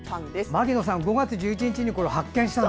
牧野さん、５月１１日にこれを発見したんだ。